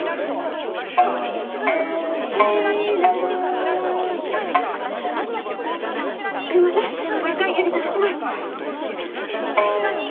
「名も知ら」「あっすいませんもう一回やり直します」。